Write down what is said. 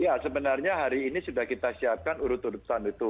ya sebenarnya hari ini sudah kita siapkan urut urutan itu